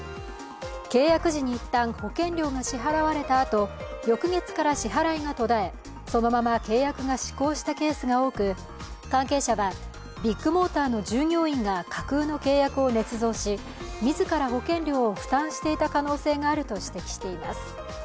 契約時に一旦、保険料が支払われたあと翌月から支払いが途絶え、そのまま契約が失効したケースが多く、関係者は、ビッグモーターの従業員が架空の契約をねつ造し、自ら保険料を負担していた可能性があると指摘しています。